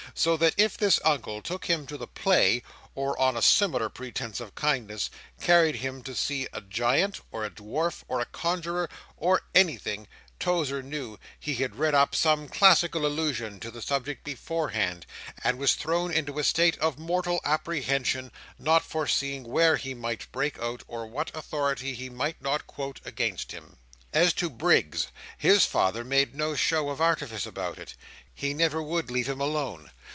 So that if this Uncle took him to the Play, or, on a similar pretence of kindness, carried him to see a Giant, or a Dwarf, or a Conjuror, or anything, Tozer knew he had read up some classical allusion to the subject beforehand, and was thrown into a state of mortal apprehension: not foreseeing where he might break out, or what authority he might not quote against him. As to Briggs, his father made no show of artifice about it. He never would leave him alone.